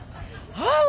「ああ。